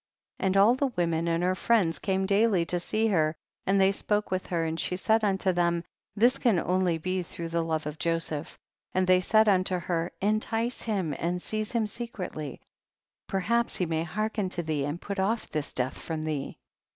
38. And all the women and her friends came daily to see her, and they spoke with her, and she said unto them, tliis can only be through the love of Joseph ; and they said unto her, entice him and seize him secretly, perhaps he may hearken to thee, and put off this death from thee.